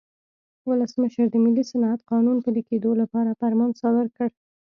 ولسمشر د ملي صنعت قانون پلي کېدو لپاره فرمان صادر کړ.